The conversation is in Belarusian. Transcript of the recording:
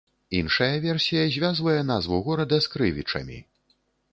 Іншая версія звязвае назву горада з крывічамі.